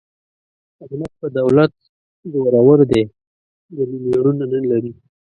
احمد په دولت زورو دی، ګني مېړونه نه لري.